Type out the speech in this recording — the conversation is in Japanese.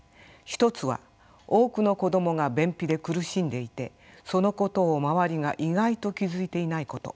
一つは多くの子どもが便秘で苦しんでいてそのことを周りが意外と気付いていないこと。